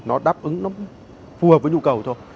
nó đáp ứng nó cũng phù hợp với nhu cầu thôi